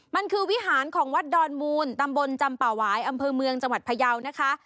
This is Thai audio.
มันคือวิหารของวัดดอนมูลตำบลจำป่าหวายอำเภอเมืองจังหวัดพยาวนะคะ